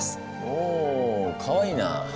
おかわいいな。